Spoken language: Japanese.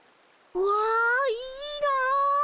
うわいいな。